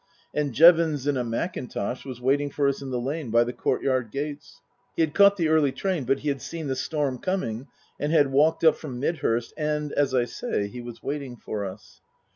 And Jevons (in a mackintosh) was waiting for us in the lane by the courtyard gates. He had caught the early train, but he had seen the storm coming and had walked up from Midhurst, and, as I say, he was waiting for us.